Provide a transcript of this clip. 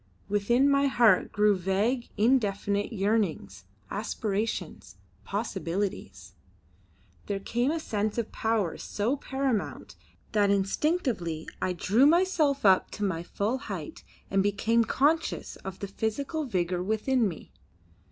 Within my heart grew vague indefinite yearnings, aspirations, possibilities. There came a sense of power so paramount that instinctively I drew myself up to my full height and became conscious of the physical vigour within me.